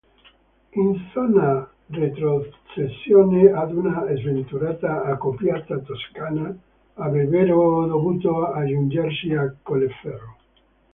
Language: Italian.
In zona retrocessione, ad una sventurata accoppiata toscana avrebbero dovuto aggiungersi e Colleferro.